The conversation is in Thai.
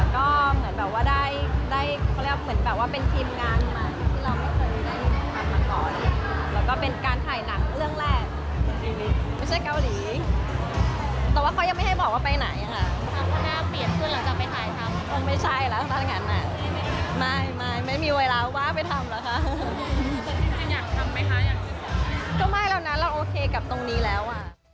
ก็ไม่แล้วนะเราโอเคกับตรงนี้แล้ว